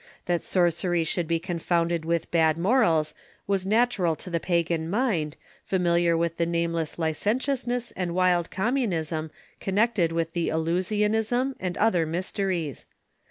That se crecy should be confounded with bad morals was natural to the pagan mind, familiar with the nameless licentiousness and wild communism connected with the Eleusinian and other mysteries.